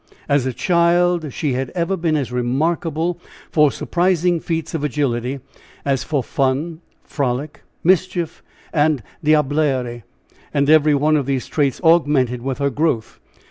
As a child she had ever been as remarkable for surprising feats of agility as for fun, frolic, mischief, and diablerie. And every one of these traits augmented with her growth.